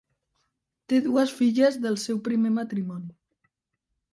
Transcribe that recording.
Té dues filles del seu primer matrimoni.